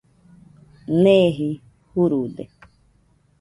Neeji jurude